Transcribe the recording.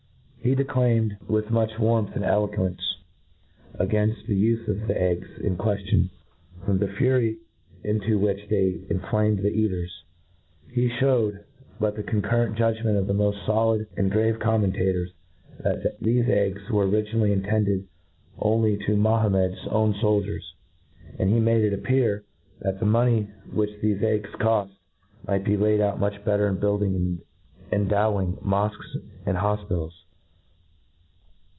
He declaimed with much warmth arid eloquence a» gainft the ufe of the eggs in queftion, from the fury ' into which they inflamed the eaters ;— ^he Ihewed^ by the concurrent judgement of the moft folid and grave commentators, that thefe eggs were originally intended only to Mohamed's own foldiers ;— ^and he made it appear, that the money which thefe eggs coft might be laid out much better in building and endowing mofques and hofpitals.